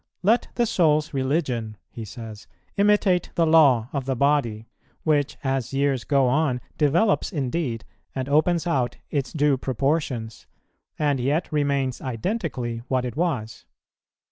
"Let the soul's religion," he says "imitate the law of the body, which, as years go on developes indeed and opens out its due proportions, and yet remains identically what it was.